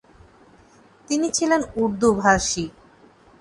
তিনি ছিলেন উর্দুভাষী।